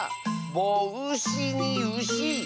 「ぼうし」に「うし」。